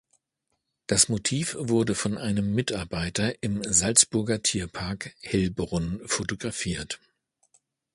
Das Motiv wurde von einem Mitarbeiter im Salzburger Tierpark Hellbrunn fotografiert.